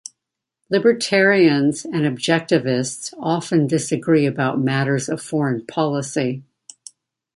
Libertarians and Objectivists often disagree about matters of foreign policy.